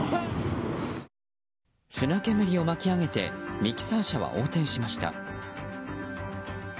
砂煙を巻き上げてミキサー車は横転しました。